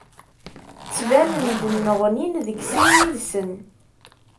Ttbanen-d nneɣnin deg sin yid-sen.